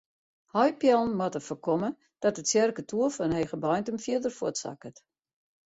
Heipeallen moatte foarkomme dat de tsjerketoer fan Hegebeintum fierder fuortsakket.